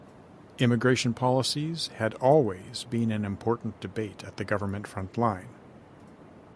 Immigration policies had always been an important debate at the Government frontline.